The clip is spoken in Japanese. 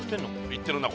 行ってるな